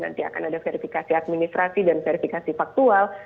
nanti akan ada verifikasi administrasi dan verifikasi faktual